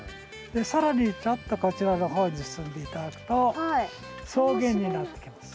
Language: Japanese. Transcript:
更にちょっとこちらの方に進んで頂くと草原になってきます。